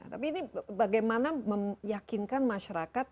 tapi ini bagaimana meyakinkan masyarakat